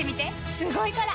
すごいから！